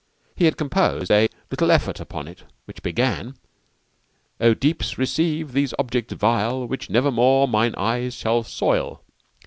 He had composed "a little effort" upon it which began, "O deeps, receive these objects vile, Which nevermore mine eyes shall soil."